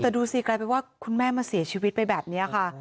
แต่ดูสิกลายเป็นว่าคุณแม่มาเสียชีวิตไปแบบนี้ค่ะ